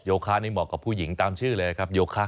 คะนี่เหมาะกับผู้หญิงตามชื่อเลยครับโยคะ